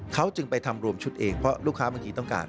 เขาจึงไปทำรวมชุดเองเพราะลูกค้าบางทีต้องการ